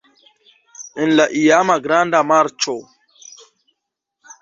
En la iama Granda Marĉo.